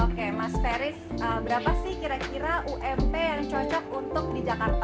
oke mas feris berapa sih kira kira ump yang cocok untuk di jakarta